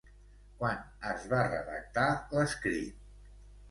Quan es va redactar l'escrit?